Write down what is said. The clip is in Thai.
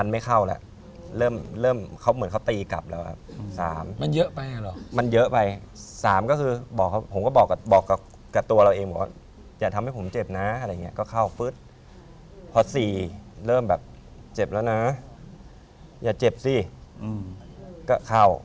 ทำไมรู้อ่ะครับมีเยอะ